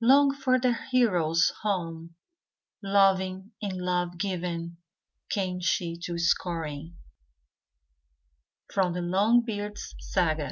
Long for their heroes home; Loving and love giving, Came she to Scoring, —/row The Longbeard's Saga.